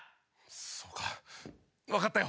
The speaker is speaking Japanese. そうかわかったよ！